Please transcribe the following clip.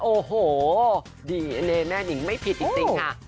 โอ้โหดีเลยแม่นิงไม่ผิดจริงค่ะ